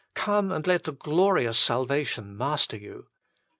Come and let the glorious salvation master you.